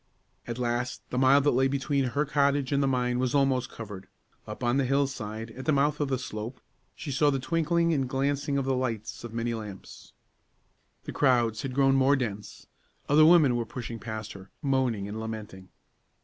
At last, the mile that lay between her cottage and the mine was almost covered. Up on the hillside, at the mouth of the slope, she saw the twinkling and glancing of the lights of many lamps. The crowds had grown more dense. Other women were pushing past her, moaning and lamenting.